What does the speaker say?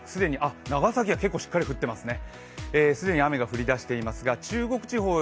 長崎は結構しっかり降っていますね。